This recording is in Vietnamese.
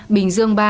bình dương ba